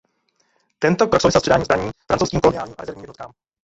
Tento krok souvisel s předáním zbraní francouzským koloniálním a rezervním jednotkám.